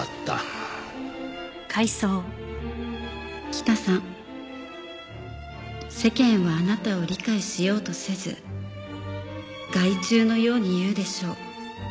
「北さん世間はあなたを理解しようとせず害虫のように言うでしょう」